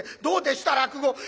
「どうでした？落語」